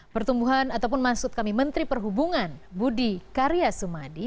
pertumbuhan ataupun masuk kami menteri perhubungan budi karyasumadi